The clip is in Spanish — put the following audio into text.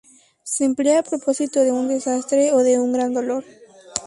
Se emplea a propósito de un desastre o de un gran dolor.